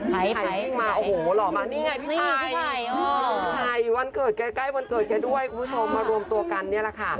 พี่ไผ่พิ่งมาโอ้โหเหรอบมานี่ไงพี่ไผ่วันเกิดไกลกันด้วยครับคุณผู้ชมมารวมตัวกันนี้แหละค่ะ